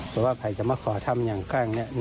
แต่ว่าใครจะมาขอทำอย่างแกล้ง